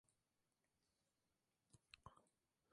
Ramírez Montes, Mina, Niñas, doncellas, vírgenes eternas.